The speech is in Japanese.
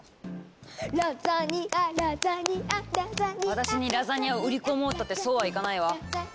私にラザニアを売り込もうったってそうはいかないわ。